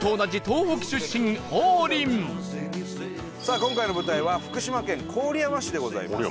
さあ今回の舞台は福島県郡山市でございます。